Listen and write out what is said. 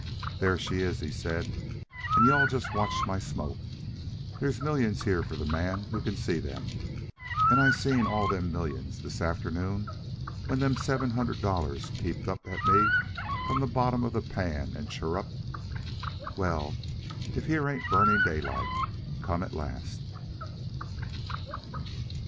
"There she is," he said, "and you all just watch my smoke. There's millions here for the man who can see them. And I seen all them millions this afternoon when them seven hundred dollars peeped up at me from the bottom of the pan and chirruped, 'Well, if here ain't Burning Daylight come at last.'"